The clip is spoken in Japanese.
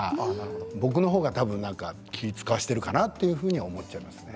僕のほうが気を遣わせているかなと思っちゃいます。